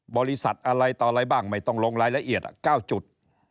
บริษัทอะไรต่ออะไรบ้างไม่ต้องลงรายละเอียด๙จุด